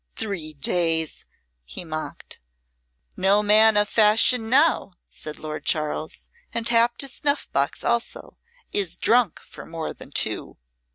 "Three days!" he mocked. "No man of fashion now," said Lord Charles, and tapped his snuff box also, "is drunk for more than two."